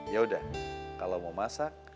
yaudah kalau mau masak